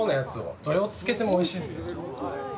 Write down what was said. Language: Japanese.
どれをつけてもおいしいので。